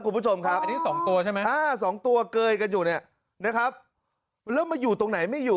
คุณผู้ชมครับอ่าสองตัวเกยกันอยู่เนี้ยนะครับแล้วมาอยู่ตรงไหนไม่อยู่